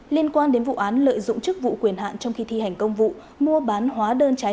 liên quan đến vụ án lợi dụng chức vụ quyền hạn trong khi thi hành công vụ mua bán hóa đơn trái